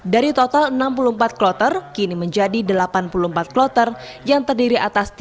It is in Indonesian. dari total enam puluh empat kloter kini menjadi delapan puluh empat kloter